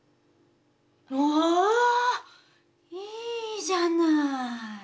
うわいいじゃない！